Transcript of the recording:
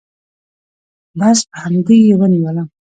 بس په همدې يې ونيولم.